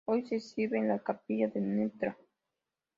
Hoy se exhibe en la Capilla de Ntra.